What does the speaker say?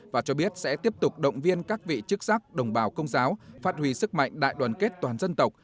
và cho biết sẽ tiếp tục động viên các vị chức sắc đồng bào công giáo phát huy sức mạnh đại đoàn kết toàn dân tộc